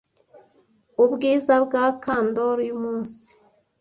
ubwiza bwa candor yumunsi